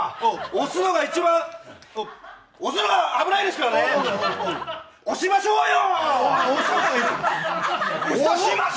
押すのが一番押すの、危ないですからね押しましょうよ！